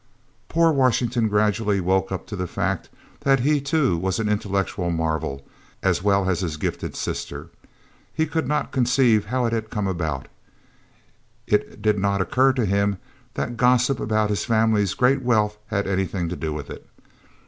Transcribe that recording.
Poor Washington gradually woke up to the fact that he too was an intellectual marvel as well as his gifted sister. He could not conceive how it had come about (it did not occur to him that the gossip about his family's great wealth had any thing to do with it).